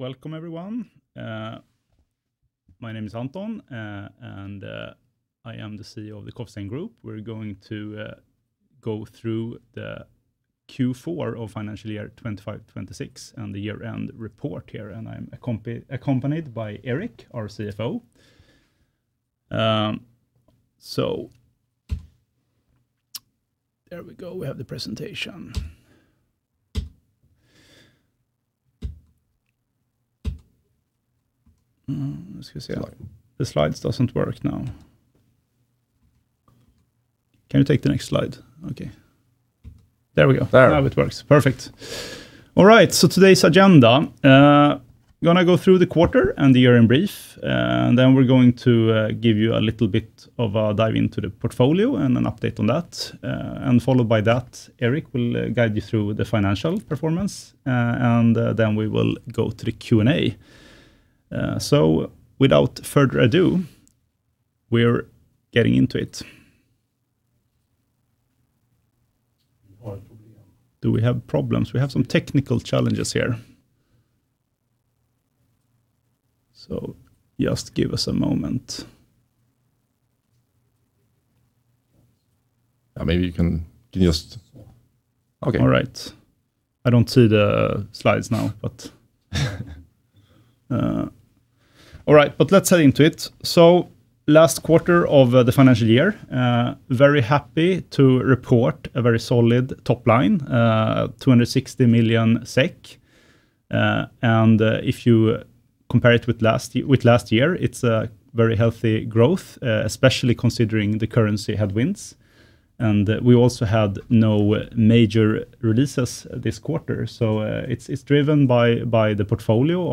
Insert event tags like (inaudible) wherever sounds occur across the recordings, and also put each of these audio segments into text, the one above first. Welcome everyone. My name is Anton, I am the CEO of the Coffee Stain Group. We're going to go through the Q4 of financial year 2025/2026 and the year-end report here, and I'm accompanied by Erik, our CFO. There we go. We have the presentation. Let's just see. The slides doesn't work now. Can you take the next slide? Okay. There we go. There we go. Now it works. Perfect. All right, today's agenda, gonna go through the quarter and the year in brief. We're going to give you a little bit of a dive into the portfolio and an update on that. Followed by that, Erik will guide you through the financial performance, and we will go to the Q&A. Without further ado, we're getting into it. We have a problem. Do we have problems? We have some technical challenges here. Just give us a moment. Yeah, maybe you can just Okay. All right. I don't see the slides now. All right, let's head into it. Last quarter of the financial year, very happy to report a very solid top line. 260 million SEK. If you compare it with last year, it's a very healthy growth, especially considering the currency headwinds. We also had no major releases this quarter. It's driven by the portfolio,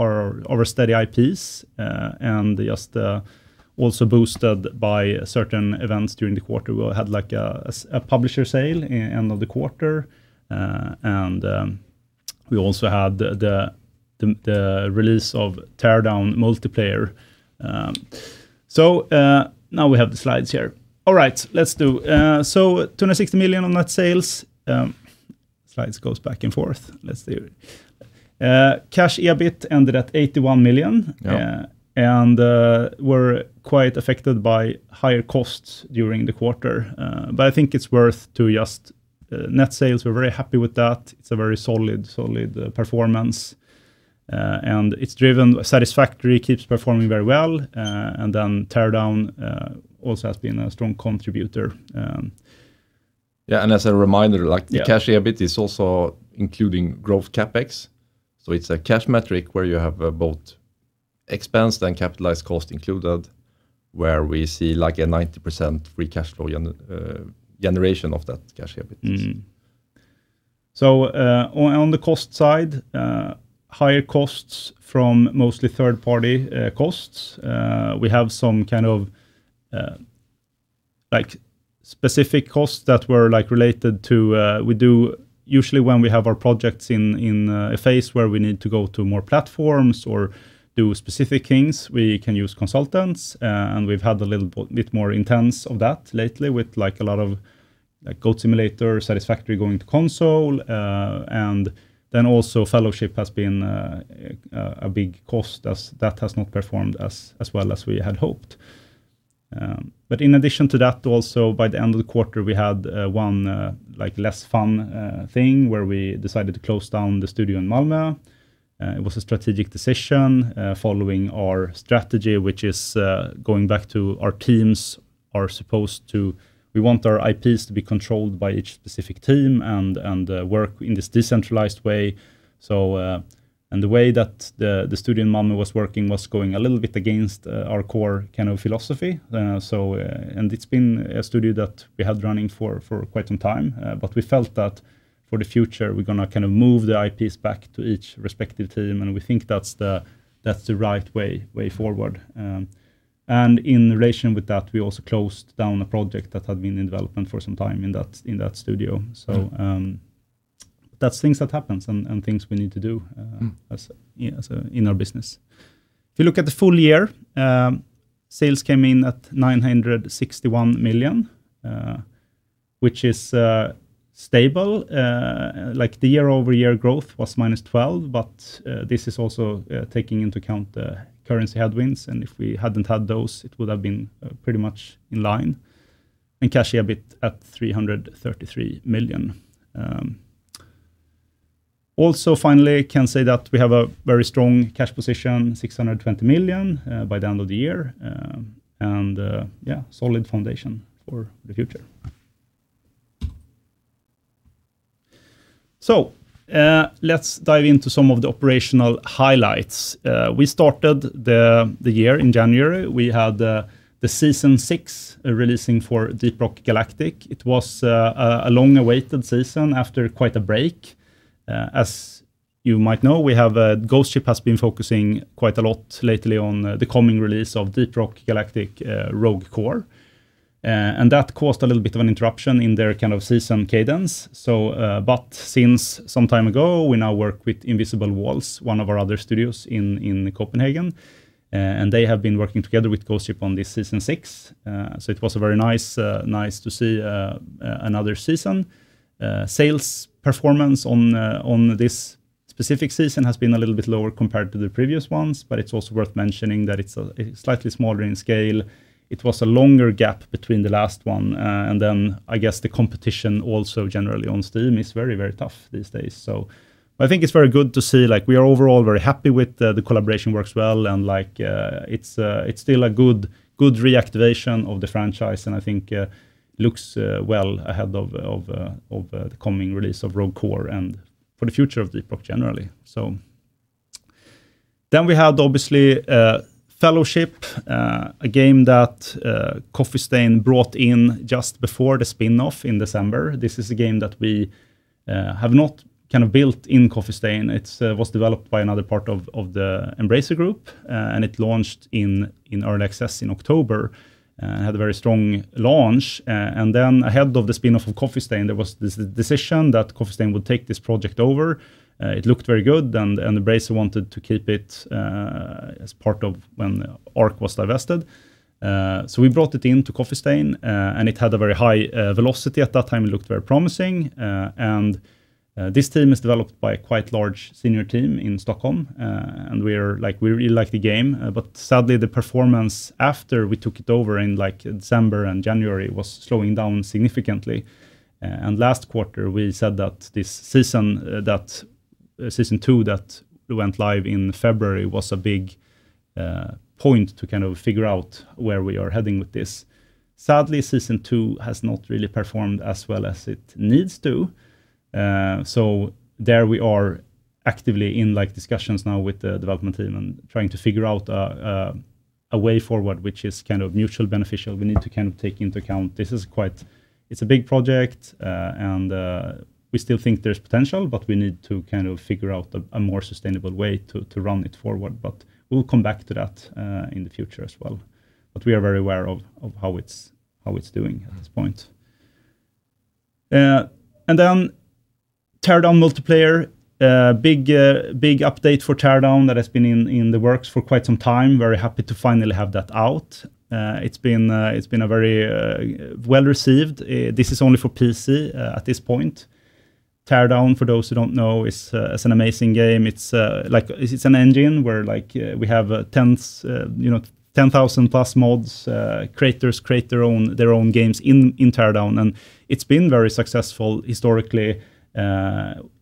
our steady IPs. Just also boosted by certain events during the quarter. We had, like, a publisher sale end of the quarter. We also had the release of Teardown multiplayer. Now we have the slides here. All right. Let's do. 260 million on net sales. Slides goes back and forth. Let's do it. Cash EBIT ended at 81 million. Yeah. We're quite affected by higher costs during the quarter. I think it's worth to just, net sales, we're very happy with that. It's a very solid performance. It's driven Satisfactory keeps performing very well. Teardown, also has been a strong contributor. Yeah, as a reminder. Yeah The Cash EBIT is also including growth CapEx. It's a cash metric where you have, both expense then capitalized cost included where we see, like, a 90% Free Cash Flow generation of that Cash EBIT. Mm-hmm. On, on the cost side, higher costs from mostly third-party costs. We have some kind of, like, specific costs that were, like, related to, we do usually when we have our projects in, a phase where we need to go to more platforms or do specific things, we can use consultants. We've had a little bit more intense of that lately with, like, a lot of Goat Simulator, Satisfactory going to console. Also Fellowship has been a big cost as that has not performed as well as we had hoped. In addition to that also by the end of the quarter, we had one, like, less fun thing where we decided to close down the studio in Malmö. It was a strategic decision, following our strategy, which is, going back to our teams are supposed to, we want our IPs to be controlled by each specific team and work in this decentralized way. The way that the studio in Malmö was working was going a little bit against our core kind of philosophy. It's been a studio that we had running for quite some time. We felt that for the future we're gonna kind of move the IPs back to each respective team, and we think that's the right way forward. In relation with that, we also closed down a project that had been in development for some time in that studio. That's things that happens and things we need to do. as a, in our business. If you look at the full year, sales came in at 961 million, which is stable. Like, the year-over-year growth was -12%, this is also taking into account the currency headwinds, if we hadn't had those, it would've been pretty much in line. Cash EBIT at 333 million. Also finally can say that we have a very strong cash position, 620 million by the end of the year. Yeah, solid foundation for the future. Let's dive into some of the operational highlights. We started the year in January. We had the Season 6 releasing for Deep Rock Galactic. It was a long-awaited season after quite a break. As you might know, we have Ghost Ship has been focusing quite a lot lately on the coming release of Deep Rock Galactic, Rogue Core. That caused a little bit of an interruption in their kind of season cadence. Since some time ago, we now work with Invisible Walls, one of our other studios in Copenhagen, and they have been working together with Ghost Ship on this Season 6. It was very nice to see another season. Sales performance on this specific season has been a little bit lower compared to the previous ones, but it's also worth mentioning that it's a slightly smaller in scale. It was a longer gap between the last one. I guess the competition also generally on Steam is very tough these days. I think it's very good to see, like we are overall very happy with the collaboration works well and like it's still a good reactivation of the franchise and I think looks well ahead of the coming release of Rogue Core and for the future of Deep Rock generally. We had obviously Fellowship, a game that Coffee Stain brought in just before the spinoff in December. This is a game that we have not kind of built in Coffee Stain. It was developed by another part of the Embracer Group and it launched in Early Access in October. Had a very strong launch. Ahead of the spinoff of Coffee Stain, there was this decision that Coffee Stain would take this project over. It looked very good and Embracer wanted to keep it as part of when Arc was divested. We brought it into Coffee Stain, and it had a very high velocity at that time. It looked very promising. This team is developed by a quite large senior team in Stockholm. We are like, we really like the game. Sadly the performance after we took it over in like December and January was slowing down significantly. Last quarter we said that this season, that Season 2 that went live in February was a big point to kind of figure out where we are heading with this. Sadly, Season 2 has not really performed as well as it needs to. There we are actively in like discussions now with the development team and trying to figure out a mutually beneficial way forward. We need to kind of take into account this is quite, it's a big project, and we still think there's potential, we need to kind of figure out a more sustainable way to run it forward. We'll come back to that in the future as well. We are very aware of how it's doing at this point. Teardown multiplayer, big update for Teardown that has been in the works for quite some time. Very happy to finally have that out. It's been a very well-received, this is only for PC at this point. Teardown, for those who don't know, is an amazing game. It's like it's an engine where like, you know, 10,000+ mods. Creators create their own games in Teardown, it's been very successful historically,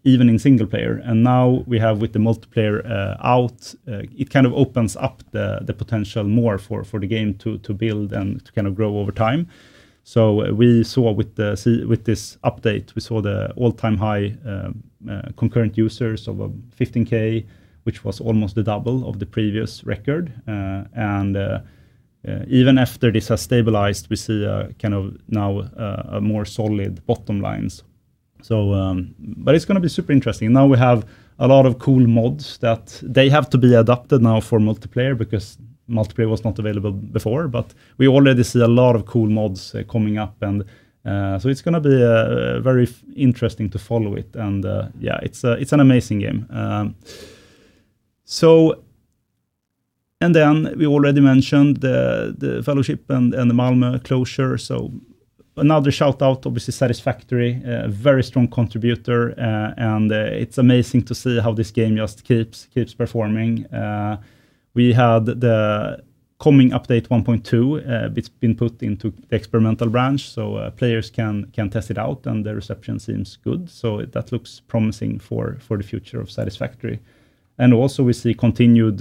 even in single player. Now we have with the multiplayer out, it kind of opens up the potential more for the game to build and to grow over time. We saw with this update, we saw the all-time high concurrent users of 15,000, which was almost double of the previous record. Even after this has stabilized, we see a kind of now, a more solid bottom lines. It's gonna be super interesting. Now we have a lot of cool mods that they have to be adapted now for multiplayer because multiplayer was not available before. We already see a lot of cool mods coming up, it's gonna be very interesting to follow it, yeah, it's a, it's an amazing game. We already mentioned the Fellowship and the Malmö closure. Another shout-out, obviously Satisfactory, a very strong contributor, it's amazing to see how this game just keeps performing. We had the coming update 1.2, it's been put into the experimental branch so players can test it out and the reception seems good, so that looks promising for the future of Satisfactory. Also we see continued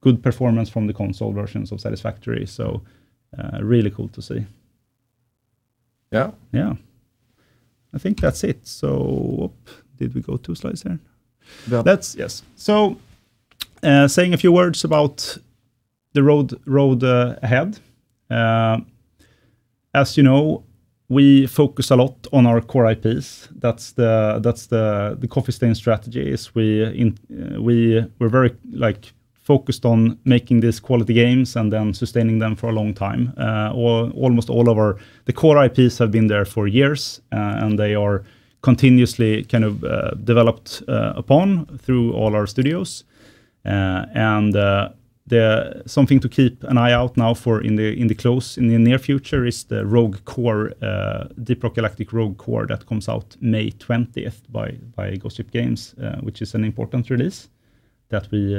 good performance from the console versions of Satisfactory. Really cool to see. Yeah. Yeah. I think that's it. Did we go two slides there? No. That's, yes. Saying a few words about the road ahead. As you know, we focus a lot on our core IPs. That's the Coffee Stain strategy is we're very like focused on making these quality games and then sustaining them for a long time. Almost all of our core IPs have been there for years, and they are continuously kind of developed upon through all our studios. Something to keep an eye out now for in the near future is the Deep Rock Galactic: Rogue Core that comes out May 20th by Ghost Ship Games, which is an important release that we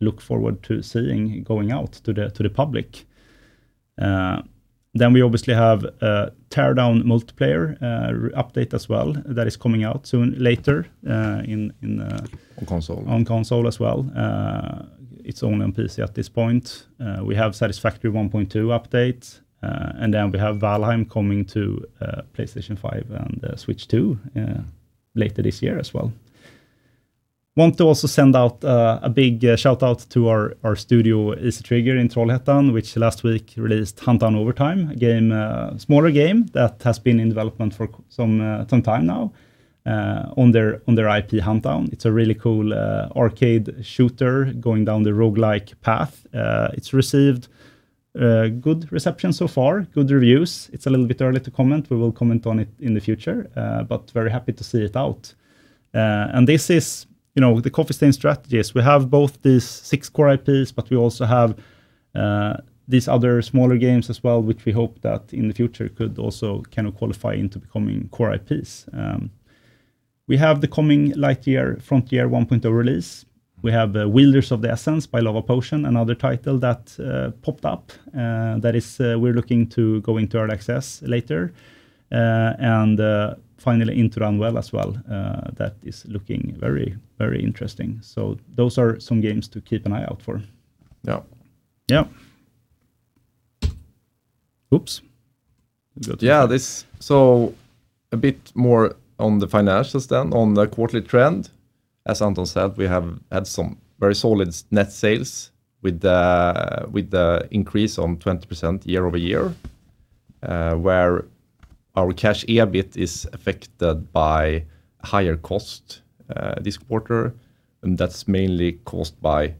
look forward to seeing going out to the public. We obviously have Teardown multiplayer update as well that is coming out soon, later. On console on console as well. It's only on PC at this point. We have Satisfactory 1.2 update, and then we have Valheim coming to PlayStation 5 and Switch 2 later this year as well. Want to also send out a big shout-out to our studio Easy Trigger Games in Trollhättan, which last week released Huntdown: Overtime game, smaller game that has been in development for some time now on their IP Huntdown. It's a really cool arcade shooter going down the roguelike path. It's received good reception so far, good reviews. It's a little bit early to comment. We will comment on it in the future, but very happy to see it out. This is, you know, the Coffee Stain strategies. We have both these six core IPs, but we also have these other smaller games as well, which we hope that in the future could also kind of qualify into becoming core IPs. We have the coming Lightyear Frontier 1.0 release. We have Wielders of the Essence by Lavapotion, another title that popped up, that is, we're looking to go into Early Access later. Finally Into The Unwell as well, that is looking very, very interesting. So those are some games to keep an eye out for. Yeah. Yeah. Oops. A bit more on the financials then. On the quarterly trend, as Anton said, we have had some very solid net sales with the increase on 20% year-over-year. Where our Cash EBIT is affected by higher cost this quarter, that's mainly caused by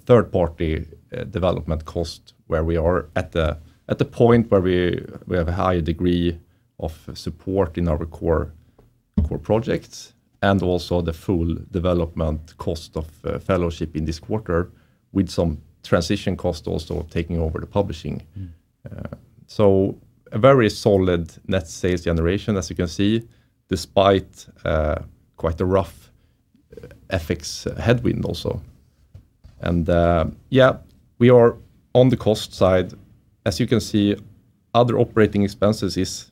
third-party development cost where we are at the point where we have a higher degree of support in our core projects, also the full development cost of Fellowship in this quarter with some transition cost also of taking over the publishing. A very solid net sales generation, as you can see, despite quite a rough FX headwind also. We are on the cost side. As you can see, other operating expenses is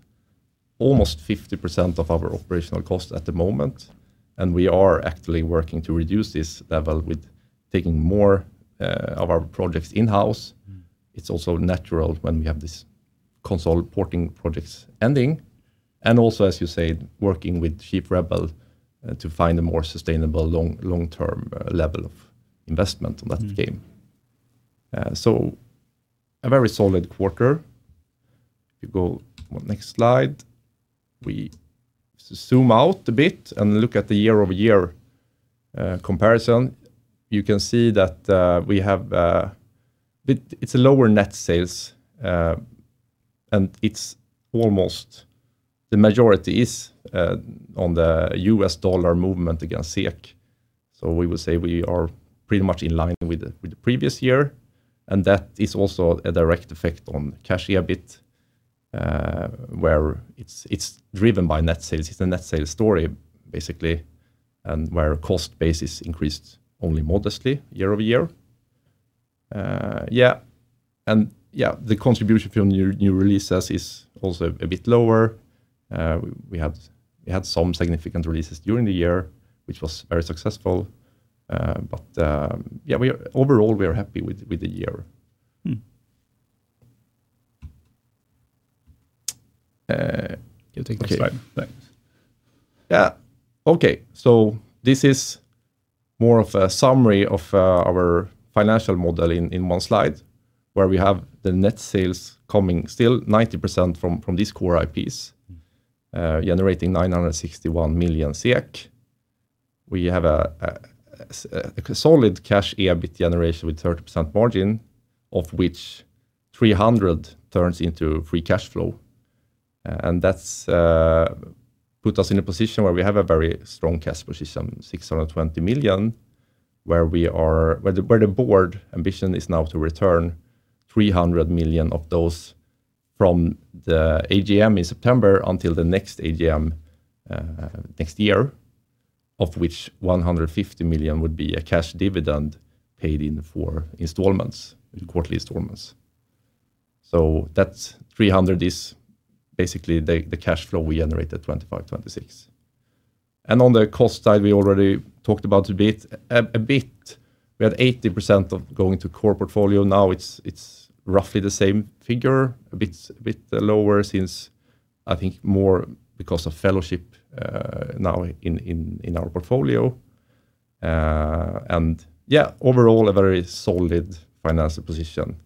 almost 50% of our operational cost at the moment, and we are actively working to reduce this level with taking more of our projects in-house. It's also natural when we have this console porting projects ending, and also, as you said, working with Chief Rebel, to find a more sustainable long-term level of investment on that game. A very solid quarter. If you go next slide. We zoom out a bit and look at the year-over-year comparison. You can see that we have, it's a lower net sales, and it's almost the majority is on the U.S. dollar movement against SEK. We would say we are pretty much in line with the previous year, and that is also a direct effect on Cash EBIT, where it's driven by net sales. It's a net sales story, basically, and where cost base is increased only modestly year-over-year. The contribution from new releases is also a bit lower. We had some significant releases during the year which was very successful. Yeah, we are, overall, we are happy with the year. You take the slide. Okay. Thanks. Yeah. Okay. This is more of a summary of our financial model in one slide, where we have the net sales coming still 90% from these core IPs generating 961 million. We have a solid Cash EBIT generation with 30% margin, of which 300 million turns into Free Cash Flow. And that's put us in a position where we have a very strong cash position, 620 million, where the board ambition is now to return 300 million of those from the AGM in September until the next AGM next year, of which 150 million would be a cash dividend paid in four installments, quarterly installments. That 300 million is basically the Cash Flow we generated 2025, 2026. On the cost side, we already talked about a bit. A bit we had 80% of going to core portfolio. Now it's roughly the same figure, a bit lower since, I think, more because of Fellowship now in our portfolio. Yeah, overall a very solid financial position.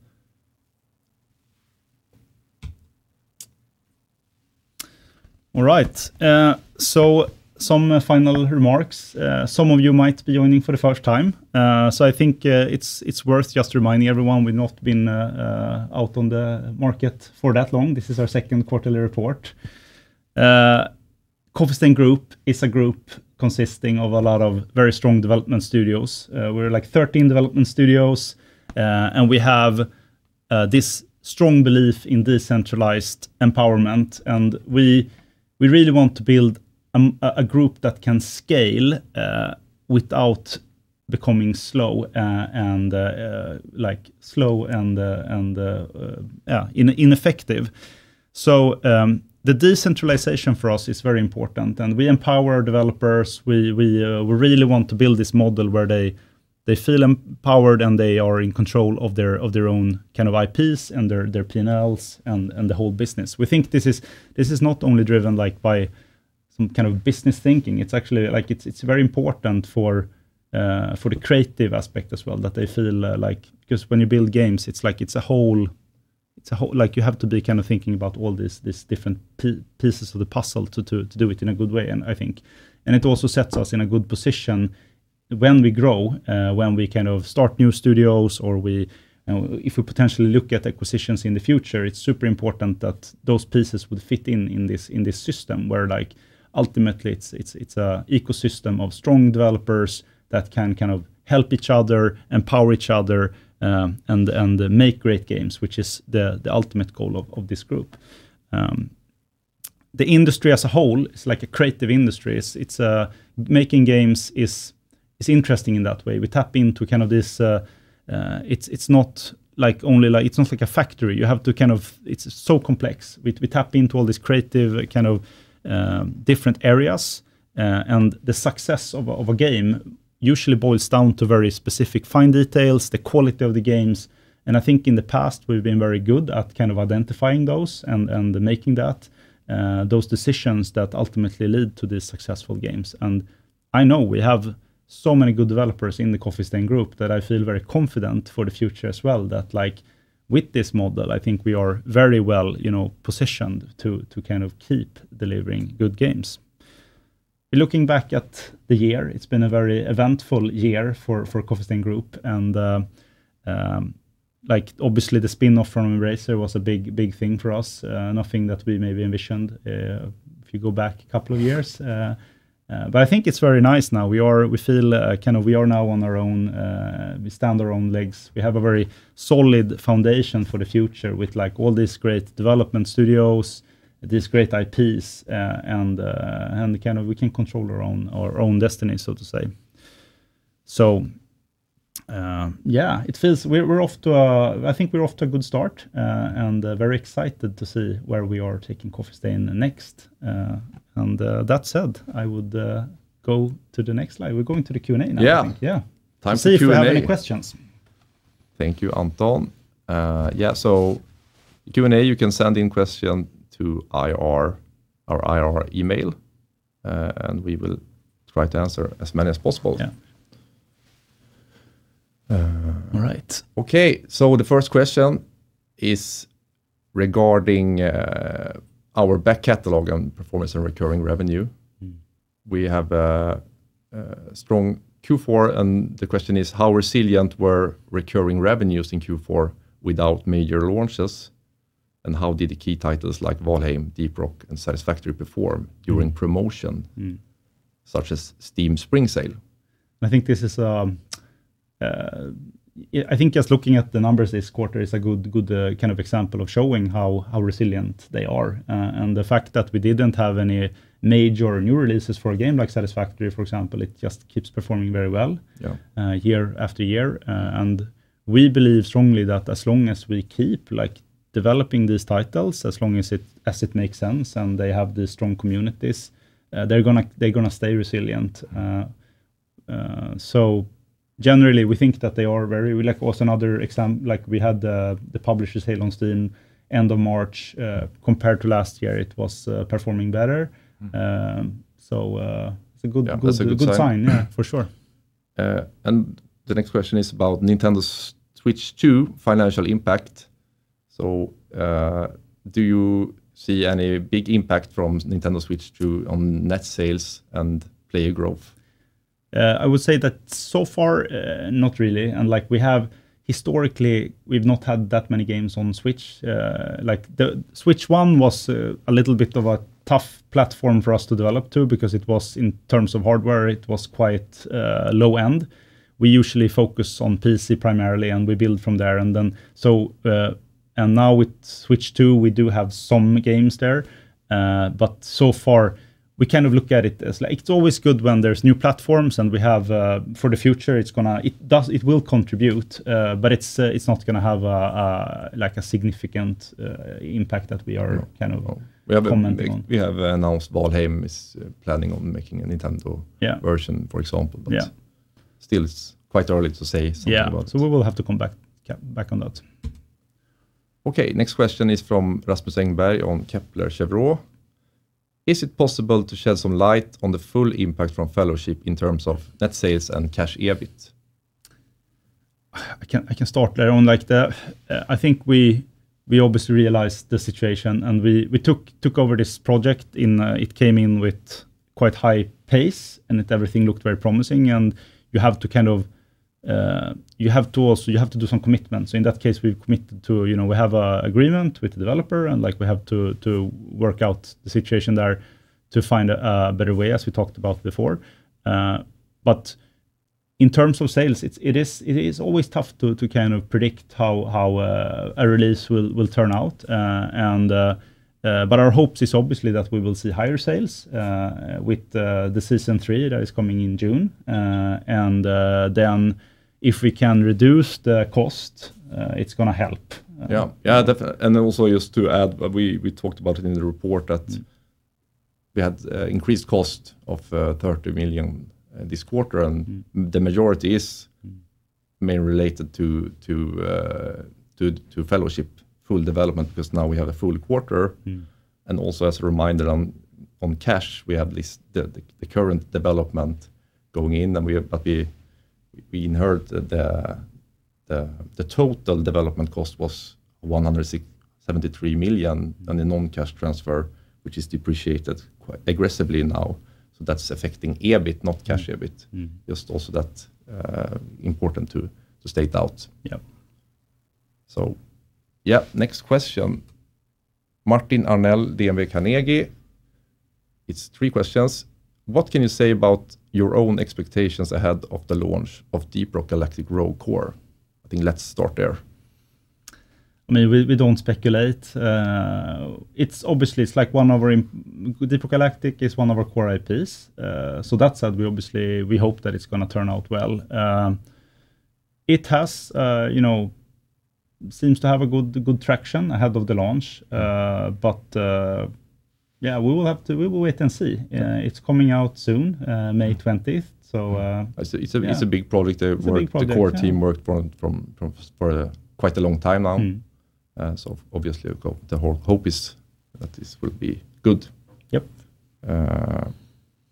All right. Some final remarks. Some of you might be joining for the first time. I think it's worth just reminding everyone we've not been out on the market for that long. This is our second quarterly report. Coffee Stain Group is a group consisting of a lot of very strong development studios. We're like 13 development studios. We have this strong belief in decentralized empowerment, and we really want to build a group that can scale without becoming slow and ineffective. The decentralization for us is very important, and we empower developers. We really want to build this model where they feel empowered, and they are in control of their own kind of IPs and their P&Ls and the whole business. We think this is, this is not only driven, like, by some kind of business thinking. It's actually, like, it's very important for the creative aspect as well that they feel, like, because when you build games, it's like it's a whole, like you have to be kind of thinking about all these different pieces of the puzzle to do it in a good way and, I think. It also sets us in a good position when we grow, when we kind of start new studios or we, if we potentially look at acquisitions in the future. It's super important that those pieces would fit in this system where, like, ultimately it's a ecosystem of strong developers that can kind of help each other, empower each other, and make great games, which is the ultimate goal of this group. The industry as a whole is like a creative industry. It's making games is interesting in that way. We tap into kind of this, it's not like only like, it's not like a factory. You have to kind of, it's so complex. We tap into all this creative, like, kind of, different areas, the success of a game usually boils down to very specific fine details, the quality of the games, and I think in the past we've been very good at kind of identifying those and making that, those decisions that ultimately lead to the successful games. I know we have so many good developers in the Coffee Stain Group that I feel very confident for the future as well that, like, with this model, I think we are very well, you know, positioned to kind of keep delivering good games. Looking back at the year, it's been a very eventful year for Coffee Stain Group and like obviously the spin-off from Embracer was a big thing for us, nothing that we maybe envisioned if you go back a couple of years. I think it's very nice now. We feel kind of we are now on our own, we stand our own legs. We have a very solid foundation for the future with, like, all these great development studios, these great IPs, and kind of we can control our own destiny, so to say. Yeah, it feels I think we're off to a good start and very excited to see where we are taking Coffee Stain next. That said, I would go to the next slide. We're going to the Q&A now I think. Yeah. Yeah. Time for Q&A. See if you have any questions. Thank you, Anton. Yeah, so Q&A, you can send in question to IR, our IR email. We will try to answer as many as possible. Yeah. All right. Okay. The first question is regarding our back catalog and performance and recurring revenue. We have a strong Q4. The question is, how resilient were recurring revenues in Q4 without major launches, how did the key titles like Valheim, Deep Rock, and Satisfactory perform during promotion? such as Steam Spring Sale? I think this is, I think just looking at the numbers this quarter is a good kind of example of showing how resilient they are. The fact that we didn't have any major new releases for a game, like Satisfactory for example, it just keeps performing very well. Yeah Year after year., we believe strongly that as long as we keep, like, developing these titles, as long as it, as it makes sense and they have these strong communities, they're gonna stay resilient. Generally we think that they are very, we like also another example. Like we had the Publisher Sale end of March, compared to last year it was performing better. Um, so, uh, it's a good- Yeah. That's a good sign. That's a good sign. Yeah. For sure. The next question is about Nintendo Switch 2 financial impact. Do you see any big impact from Nintendo Switch 2 on net sales and player growth? I would say that so far, not really. Like we have historically we've not had that many games on Switch. Like the Switch 1 was a little bit of a tough platform for us to develop to because it was, in terms of hardware, it was quite low end. We usually focus on PC primarily, and we build from there. Now with Switch 2, we do have some games there. So far we kind of look at it as like it's always good when there's new platforms and we have, for the future it's gonna, it does, it will contribute. It's not gonna have a like a significant impact that we are- No kind of commenting on. We have announced Valheim is planning on making a Nintendo- Yeah version, for example. Yeah Still, it's quite early to say something about it. Yeah. We will have to come back on that. Okay, next question is from Rasmus Engberg on Kepler Cheuvreux. Is it possible to shed some light on the full impact from Fellowship in terms of net sales and Cash EBIT? I can start there on like the, I think we obviously realized the situation and we took over this project in, it came in with quite high pace and it, everything looked very promising. You have to kind of, you have to also, you have to do some commitments. In that case, we've committed to, you know, we have a agreement with the developer and like we have to work out the situation there to find a better way, as we talked about before. In terms of sales, it's, it is always tough to kind of predict how a release will turn out. Our hopes is obviously that we will see higher sales, with the Season 3 that is coming in June. If we can reduce the cost, it's gonna help. Yeah. Also just to add, we talked about it in the report that we had increased cost of 30 million this quarter. The majority is mainly related to Fellowship full development because now we have a full quarter. Also as a reminder on cash, we have this, the current development going in and we have, but we inherit the total development cost was 163 million on the non-cash transfer, which is depreciated quite aggressively now. That's affecting EBIT, not cash EBIT. Just also that, important to state out. Yeah. Yeah. Next question. Martin Arnell, DNB Carnegie. It's three questions. What can you say about your own expectations ahead of the launch of Deep Rock Galactic: Rogue Core? I think let's start there. I mean, we don't speculate. It's obviously it's like one of our Deep Rock Galactic is one of our core IPs. That said, we obviously we hope that it's gonna turn out well. It has, you know, seems to have good traction ahead of the launch. Yeah, we will have to, we will wait and see. It's coming out soon, May 20th. I see. Yeah It's a big project. Big project, yeah. the work, the core team worked for quite a long time now. Obviously the whole hope is that this will be good. Yep.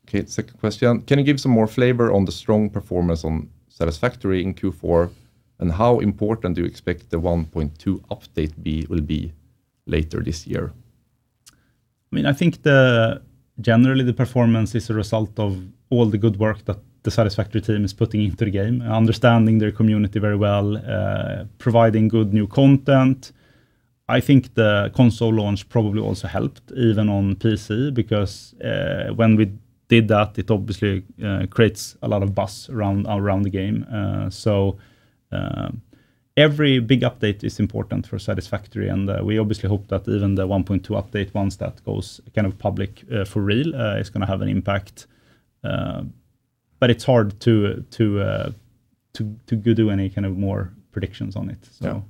Okay, second question. Can you give some more flavor on the strong performance on Satisfactory in Q4, how important do you expect the 1.2 update will be later this year? I mean, I think the, generally the performance is a result of all the good work that the Satisfactory team is putting into the game, understanding their community very well, providing good new content. I think the console launch probably also helped even on PC because, when we did that, it obviously creates a lot of buzz around the game. Every big update is important for Satisfactory, and we obviously hope that even the 1.2 update, once that goes kind of public, for real, is gonna have an impact. It's hard to go do any kind of more predictions on it. Yeah.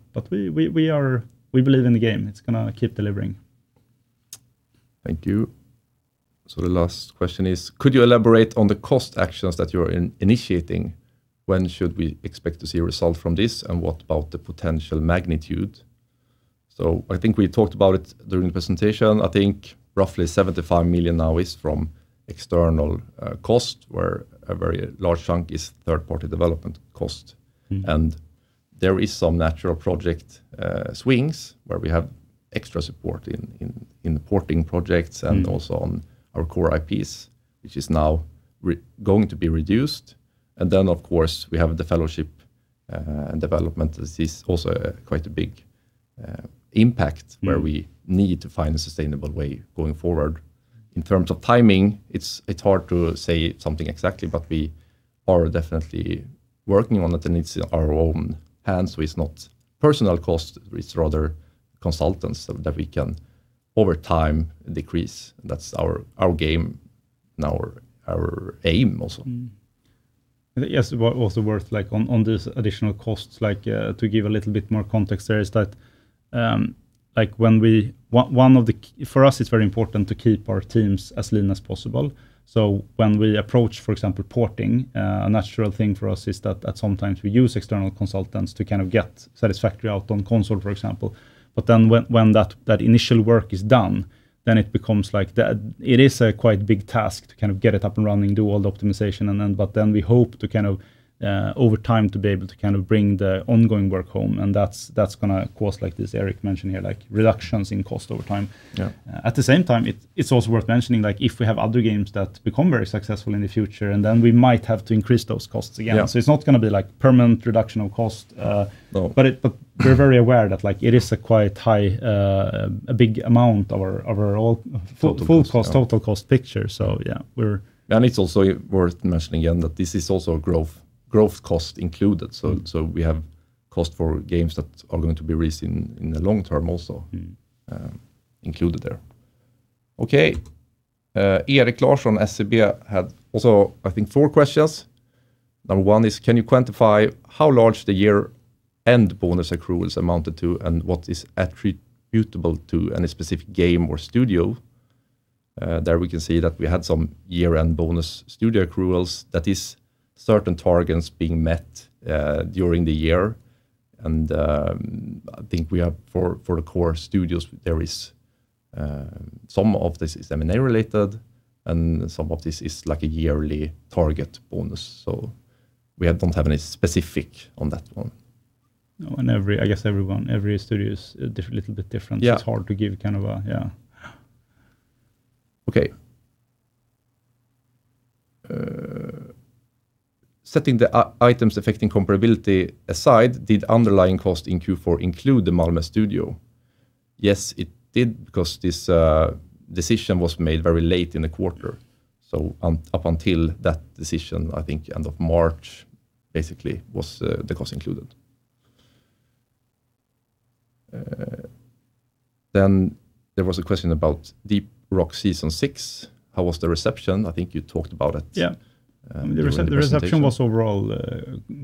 We believe in the game. It's gonna keep delivering. Thank you. The last question is, could you elaborate on the cost actions that you're initiating? When should we expect to see a result from this, and what about the potential magnitude? I think we talked about it during the presentation. I think roughly 75 million now is from external cost, where a very large chunk is third-party development cost. There is some natural project swings where we have extra support in the porting projects. Also on our core IPs, which is now going to be reduced. Then of course, we have The Fellowship, and development. This is also quite a big impact where we need to find a sustainable way going forward. In terms of timing, it's hard to say something exactly, but we are definitely working on it, and it's in our own hands, so it's not personal cost. It's rather consultants that we can over time decrease. That's our game and our aim also. Yes, also worth like, on this additional costs, like, to give a little bit more context there is that, like when we, one of the for us it's very important to keep our teams as lean as possible. When we approach, for example, porting, a natural thing for us is that at some times we use external consultants to kind of get Satisfactory out on console, for example. Then when that initial work is done, then it becomes like the, it is a quite big task to kind of get it up and running, do all the optimization and then we hope to kind of over time to be able to kind of bring the ongoing work home, and that's gonna cause like this Erik mentioned here, like reductions in cost over time. Yeah. At the same time, it's also worth mentioning, like if we have other games that become very successful in the future, and then we might have to increase those costs again. Yeah. It's not gonna be like permanent reduction of cost. No We're very aware that like it is a quite high, a big amount of our. Total cost. full cost, total cost picture. Yeah. It's also worth mentioning again that this is also growth cost included. We have cost for games that are going to be released in the long term also included there. Okay. Erik Larsson from SEB had also, I think, four questions. One is, can you quantify how large the year-end bonus accruals amounted to, and what is attributable to any specific game or studio? There we can see that we had some year-end bonus studio accruals. That is certain targets being met during the year. I think we have for the core studios, there is, some of this is M&A-related, and some of this is like a yearly target bonus. We don't have any specific on that one. No, every, I guess everyone, every studio is a little bit different. Yeah. It's hard to give kind of a Yeah. Okay. Setting the items affecting comparability aside, did underlying cost in Q4 include the Malmö studio? Yes, it did, because this decision was made very late in the quarter. Up until that decision, I think end of March, basically was the cost included. There was a question about Deep Rock season six. How was the reception? I think you talked about it. Yeah During the presentation. The reception was overall,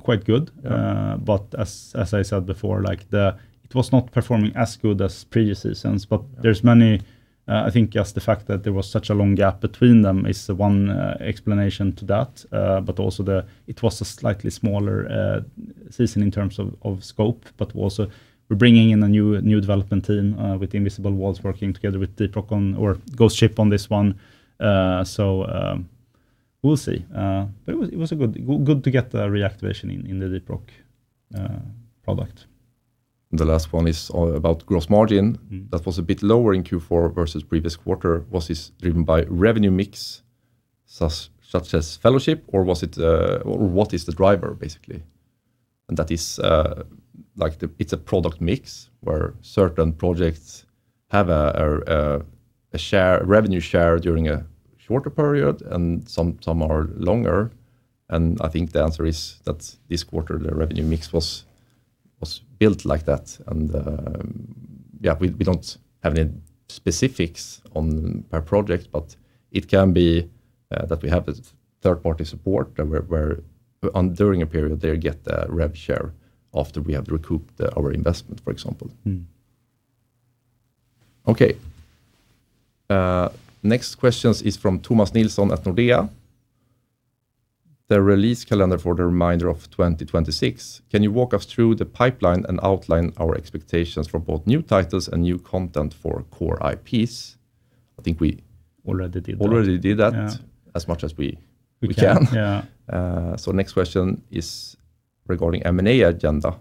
quite good. But as I said before, like the, it was not performing as good as previous seasons, but there's many, I think just the fact that there was such a long gap between them is the one explanation to that. But also the, it was a slightly smaller season in terms of scope. But also we're bringing in a new development team with Invisible Walls working together with Deep Rock or Ghost Ship on this one. So, we'll see. But it was, it was good to get the reactivation in the Deep Rock product. The last one is all about gross margin. That was a bit lower in Q4 versus previous quarter. Was this driven by revenue mix, such as Fellowship, or what is the driver basically? That is, like the, it's a product mix where certain projects have a share, revenue share during a shorter period and some are longer. I think the answer is that this quarter, the revenue mix was built like that. Yeah, we don't have any specifics on per project, but it can be that we have a third-party support where on during a period they get a rev share after we have recouped our investment, for example. Okay. Next questions is from Thomas Nilsson at Nordea. The release calendar for the remainder of 2026, can you walk us through the pipeline and outline our expectations for both new titles and new content for core IPs? Already did that. already did that. Yeah. As much as we- We can. we can. Yeah. Next question is regarding M&A agenda.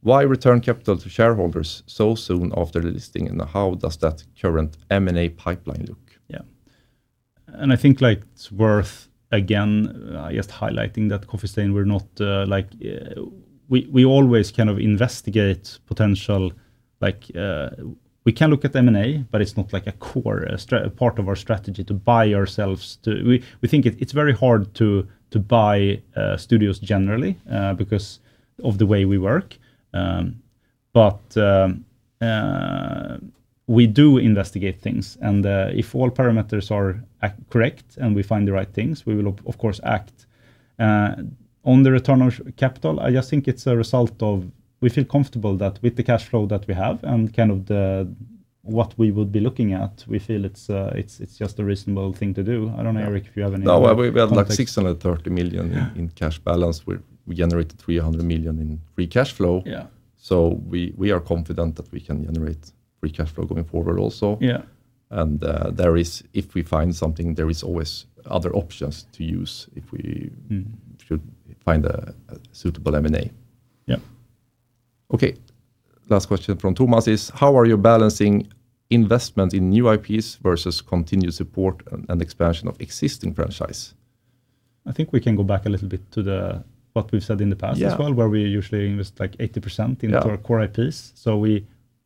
Why return capital to shareholders so soon after the listing, and how does that current M&A pipeline look? Yeah. I think, like, it's worth, again, just highlighting that Coffee Stain, we're not, like, we always kind of investigate potential. We can look at M&A, it's not, like, a core part of our strategy to buy ourselves to. We think it's very hard to buy studios generally because of the way we work. We do investigate things and if all parameters are correct and we find the right things, we will of course act. On the return on capital, I just think it's a result of we feel comfortable that with the cash flow that we have and kind of the, what we would be looking at, we feel it's just a reasonable thing to do. I don't know, Erik, if you have any context. No, we have like 630 million- Yeah in cash balance. We generated 300 million in Free Cash Flow. Yeah. We are confident that we can generate Free Cash Flow going forward also. Yeah. There is, if we find something, there is always other options to use should find a suitable M&A. Yeah. Okay. Last question from Thomas is, how are you balancing investment in new IPs versus continued support and expansion of existing franchise? I think we can go back a little bit to the, what we've said in the past as well. Yeah Where we usually invest, like, 80% into our core IPs.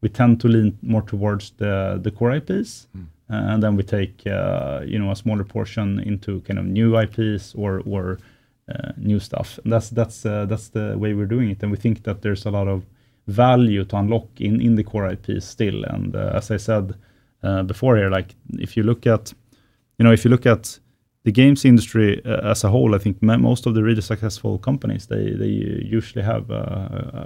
We tend to lean more towards the core IPs. Then we take, you know, a smaller portion into kind of new IPs or new stuff. That's the way we're doing it, and we think that there's a lot of value to unlock in the core IPs still. As I said before here, like, if you look at, you know, if you look at the games industry as a whole, I think most of the really successful companies, they usually have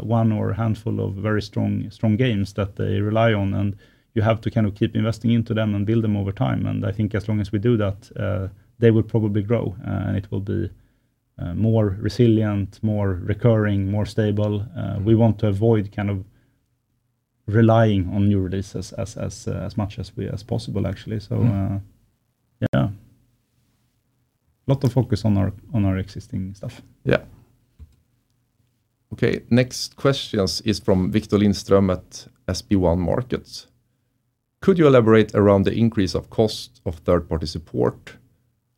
one or a handful of very strong games that they rely on, and you have to kind of keep investing into them and build them over time. I think as long as we do that, they will probably grow, and it will be more resilient, more recurring, more stable. We want to avoid kind of relying on new releases as much as possible, actually. Yeah. Lot of focus on our, on our existing stuff. Yeah. Okay. Next questions is from Viktor Lindström at SB1 Markets. Could you elaborate around the increase of cost of third-party support?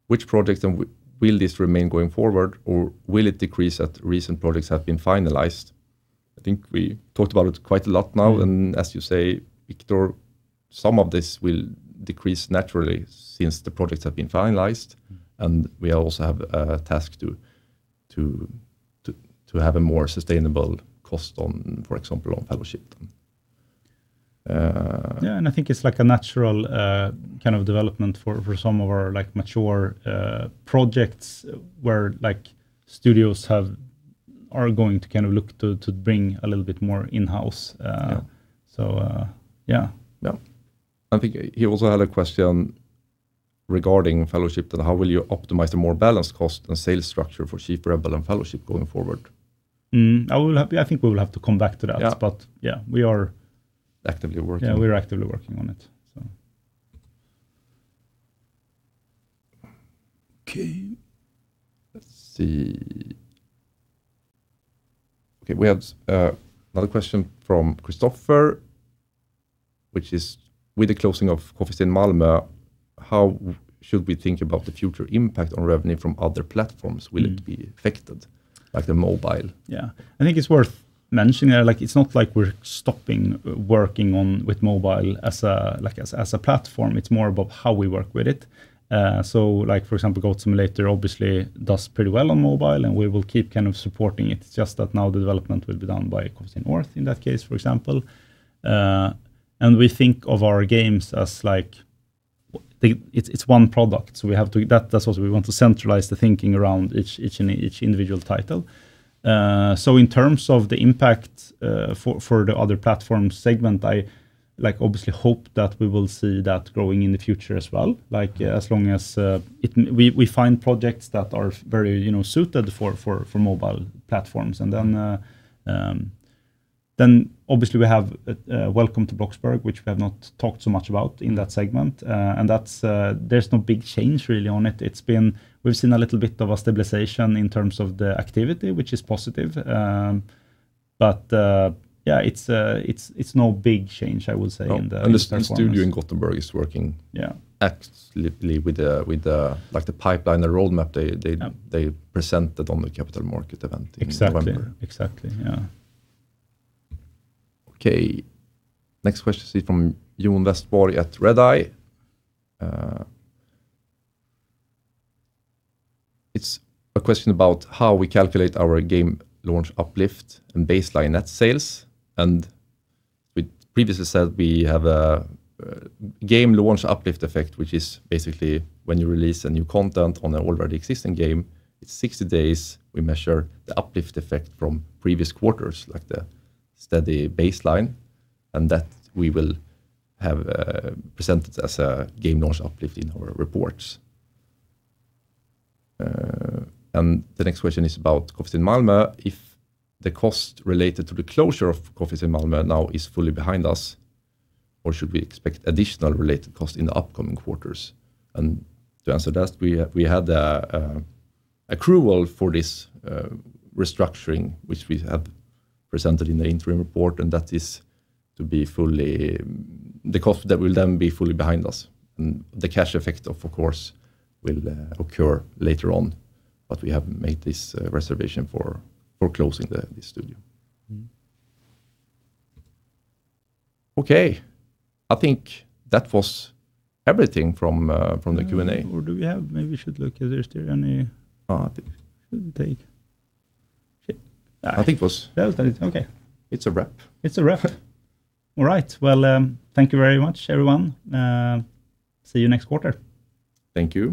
Which projects and will this remain going forward, or will it decrease as recent projects have been finalized? I think we talked about it quite a lot now, and as you say, Viktor, some of this will decrease naturally since the projects have been finalized, and we also have a task to have a more sustainable cost on, for example, on Fellowship. Yeah, I think it's, like, a natural, kind of development for some of our, like, mature, projects where, like, studios are going to kind of look to bring a little bit more in-house. Yeah Yeah. Yeah. I think he also had a question regarding Fellowship and how will you optimize a more balanced cost and sales structure for Chief Rebel and Fellowship going forward? I think we will have to come back to that. Yeah. Yeah. Actively working Yeah, we are actively working on it, so. Okay. Let's see. Okay. We have another question from Christopher, which is: With the closing of Coffee Stain Malmö, how should we think about the future impact on revenue from other platforms? Will it be affected, like the mobile? Yeah. I think it's worth mentioning that it's not like we're stopping working on with mobile as a platform. It's more about how we work with it. For example, Goat Simulator obviously does pretty well on mobile, and we will keep kind of supporting it. It's just that now the development will be done by Coffee Stain North, in that case, for example. We think of our games as the, it's one product, so we have to, that's also we want to centralize the thinking around each individual title. In terms of the impact for the other platform segment, I obviously hope that we will see that growing in the future as well. As long as we find projects that are very, you know, suited for mobile platforms, and then obviously we have Welcome to Bloxburg, which we have not talked so much about in that segment. That's no big change really on it. We've seen a little bit of a stabilization in terms of the activity, which is positive. Yeah, it's no big change, I would say, in the platforms. No. The studio in Gothenburg is working- Yeah actively with the, like, the pipeline, the roadmap they. Yeah They presented on the capital market event in November. Exactly. Exactly. Yeah. Okay. Next question is from John Westborg at Redeye. It is a question about how we calculate our game launch uplift and baseline net sales. We previously said we have a game launch uplift effect, which is basically when you release a new content on an already existing game. It's 60 days. We measure the uplift effect from previous quarters, like the steady baseline, and that we will have presented as a game launch uplift in our reports. The next question is about Coffee Stain Malmö. If the cost related to the closure of Coffee Stain Malmö now is fully behind us, or should we expect additional related cost in the upcoming quarters? To answer that, we had accrual for this restructuring, which we have presented in the interim report. The cost that will then be fully behind us. The cash effect of course will occur later on. We have made this reservation for closing this studio. Okay. I think that was everything from the Q&A. Maybe we should look. Is there still any- Oh, I think- Should take (inaudible) I think it was- That was that. Okay. It's a wrap. It's a wrap. All right. Well, thank you very much, everyone. See you next quarter. Thank you.